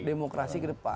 demokrasi ke depan